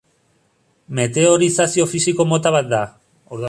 Meteorizazio fisiko mota bat da.